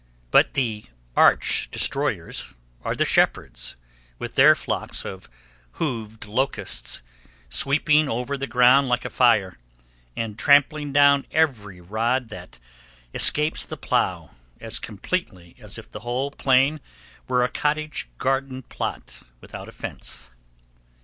But the arch destroyers are the shepherds, with their flocks of hoofed locusts, sweeping over the ground like a fire, and trampling down every rod that escapes the plow as completely as if the whole plain were a cottage garden plot without a fence.